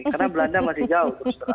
karena belanda masih jauh